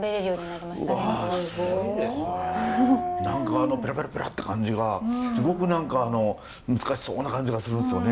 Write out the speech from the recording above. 何かあのペラペラペラって感じがすごく何か難しそうな感じがするんですよね。